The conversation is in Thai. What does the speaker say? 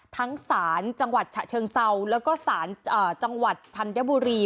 ทั้งศาลจังหวัดฉะเชิงเซาแล้วก็สารจังหวัดธัญบุรี